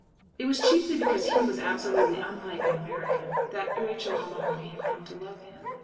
It was chiefly because he was absolutely unlike an American that Rachel O'Mahony had come to love him.